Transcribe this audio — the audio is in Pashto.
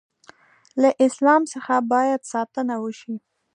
له اسلام څخه باید ساتنه وشي.